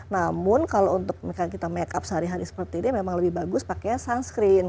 namun kalau untuk kita make up sehari hari seperti ini memang lebih bagus pakainya sunscreen